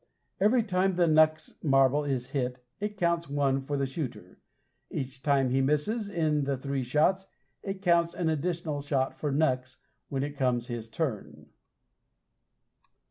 Every time the "Knucks" marble is hit, it counts one for the shooter; each time he misses in the three shots, it counts an additional shot for "Knucks" when it comes his turn.